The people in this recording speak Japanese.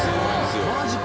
マジか。